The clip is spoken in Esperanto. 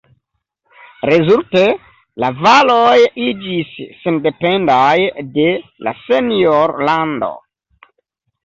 Rezulte, la valoj iĝis sendependaj de la senjor-lando.